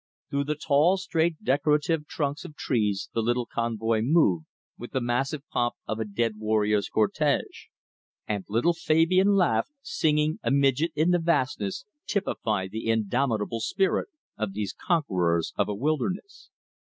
Through the tall, straight, decorative trunks of trees the little convoy moved with the massive pomp of a dead warrior's cortege. And little Fabian Laveque, singing, a midget in the vastness, typified the indomitable spirit of these conquerors of a wilderness.